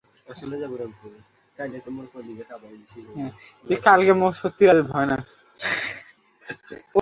পুঁজিবাজারে তালিকাভুক্ত প্রকৌশল খাতের কোম্পানি বাংলাদেশ ল্যাম্পসের পরিচালনা পর্ষদ সভা বৃহস্পতিবার অনুষ্ঠিত হবে।